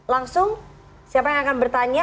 langsung siapa yang akan bertanya